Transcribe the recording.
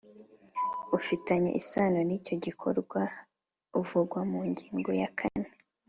Ufitanye isano n icyo gikorwa uvugwa mu ngigo ya kane